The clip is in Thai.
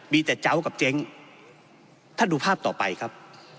มีแต่เจ้ากับเจ๊งท่านดูภาพต่อไปครับ